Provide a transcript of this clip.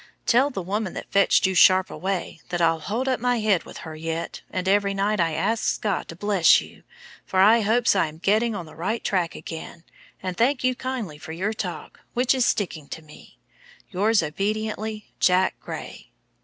Tell the woman that fetched you sharp away that I'll hold up my head with her yet, and every night I asks God to bless you, for I hopes I am getting on the right track again, and thank you kindly for your talk, which is sticking to me. "Yours obediently, "JACK GRAY."